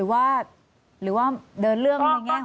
ก็รอดูก่อน